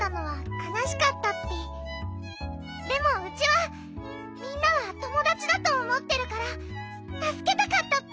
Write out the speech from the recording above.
でもウチはみんなはともだちだとおもってるからたすけたかったッピ！